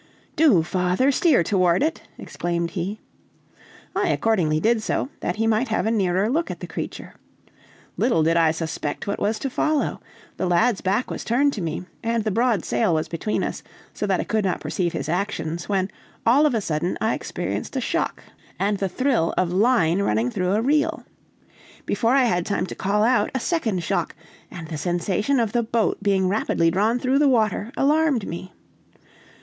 "Do, father, steer toward it!" exclaimed he. I accordingly did so, that he might have a nearer look at the creature. Little did I suspect what was to follow. The lad's back was turned to me, and the broad sail was between us, so that I could not perceive his actions; when, all of a sudden, I experienced a shock, and the thrill of line running through a reel. Before I had time to call out, a second shock, and the sensation of the boat being rapidly drawn through the water, alarmed me.